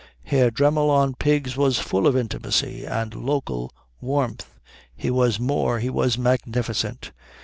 Herr Dremmel on pigs was full of intimacy and local warmth. He was more he was magnificent.